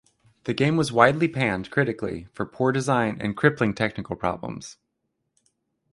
The game was widely panned critically for poor design and crippling technical problems.